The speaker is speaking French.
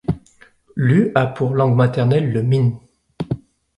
Lü a pour langue maternelle le min.